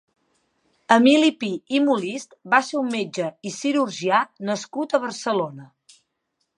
Emili Pi i Molist va ser un metge i cirurgià nascut a Barcelona.